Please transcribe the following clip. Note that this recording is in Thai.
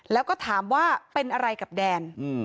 แล้วก็ถามว่าเป็นอะไรกับแดน